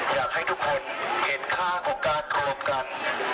อยากให้ทุกคนเห็นค่าของการโทรกัน